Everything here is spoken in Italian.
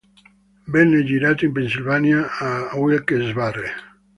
Venne girato in Pennsylvania, a Wilkes-Barre.